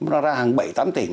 nó ra hàng bảy tám tỉnh như thế